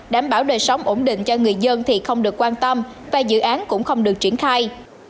đảm bảo đời sống ổn định cho người dân thì không được quan tâm và dự án cũng không được triển khai